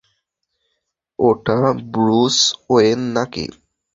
ওটা Bruce Wayne নাকি?